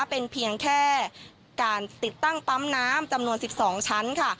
เป็นเพียงแค่การติดตั้งปั๊มน้ำจำนวน๑๒ชั้นค่ะ